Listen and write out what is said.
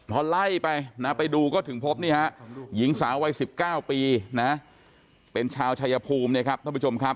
พอไล่ไปนะไปดูก็ถึงพบนี่ฮะหญิงสาววัย๑๙ปีนะเป็นชาวชายภูมินะครับท่านผู้ชมครับ